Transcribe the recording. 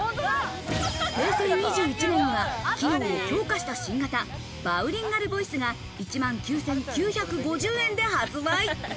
平成２１年には機能を強化した新型バウリンガルボイスが１万９９５０円で発売。